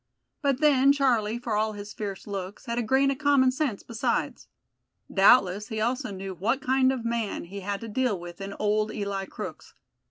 But then Charlie, for all his fierce looks, had a grain of common sense besides. Doubtless he also knew what kind of man he had to deal with in old Eli Crookes.